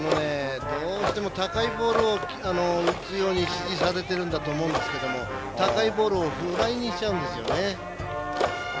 どうしても高いボールを打つように指示されているんだと思うんですけども高いボールをフライにしちゃうんですよね。